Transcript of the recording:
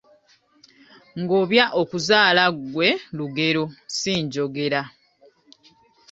Ngobya okuzaala gwe lugero si njogera.